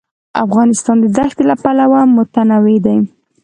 افغانستان د دښتې له پلوه متنوع دی.